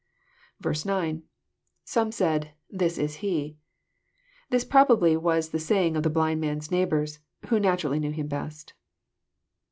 9. — [Some said, This is he."] This probably was the saying of the blind man's neighbours, who naturally knew him best.